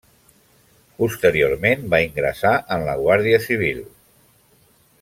Posteriorment va ingressar en la Guàrdia Civil.